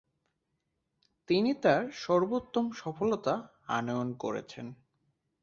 তিনি তার সর্বোত্তম সফলতা আনয়ণ করেছেন।